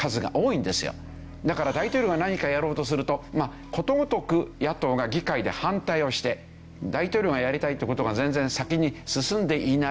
だから大統領が何かやろうとするとことごとく野党が議会で反対をして大統領がやりたいっていう事が全然先に進んでいない。